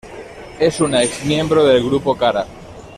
Es una ex miembro del grupo Kara.